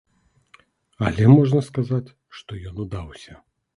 Але можна сказаць, што ён удаўся.